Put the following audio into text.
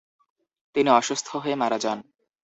তিনি অসুস্থ হয়ে মারা যান।